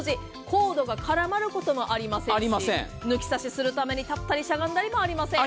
コードが絡まることもありませんし、抜き差しするために立ったりしゃがんだりもありません。